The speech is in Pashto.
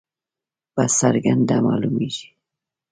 په څرګنده معلومیږي.